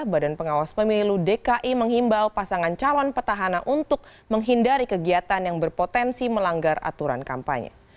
badan pengawas pemilu dki menghimbau pasangan calon petahana untuk menghindari kegiatan yang berpotensi melanggar aturan kampanye